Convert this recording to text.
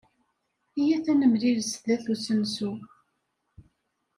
Iyyat ad nemlil sdat usensu.